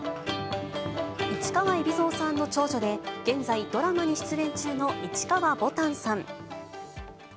市川海老蔵さんの長女で、現在、ドラマに出演中の市川ぼたんさん。